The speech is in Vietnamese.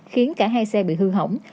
khiến cả hai xe bị hư hỏng